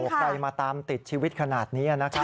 ใครมาตามติดชีวิตขนาดนี้นะครับ